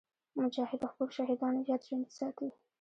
مجاهد د خپلو شهیدانو یاد ژوندي ساتي.